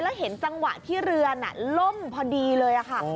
แล้วเห็นจังหวะที่เรือนล่มพอดีเลยค่ะ